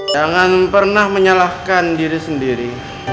jangan pernah menyalahkan diri sendiri